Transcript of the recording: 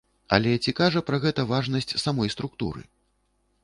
Але ці кажа гэта пра важнасць самой структуры?